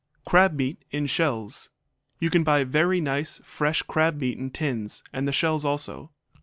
Crab Meat in Shells You can buy very nice, fresh crab meat in tins, and the shells also.